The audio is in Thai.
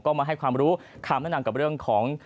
ก็มาให้ความรู้คำแนะนำกับเรื่องของ